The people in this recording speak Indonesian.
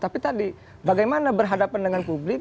tapi tadi bagaimana berhadapan dengan publik